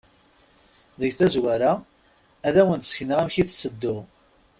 Deg tazwara, ad awen-d-sekneɣ amek i tetteddu.